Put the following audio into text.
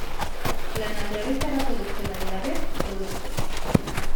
La naturaleza era productora y, a la vez, producto.